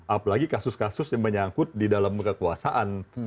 apalagi kasus kasus yang menyangkut di dalam kekuasaan